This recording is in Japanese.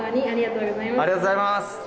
ありがとうございます！